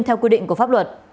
theo quy định của pháp luật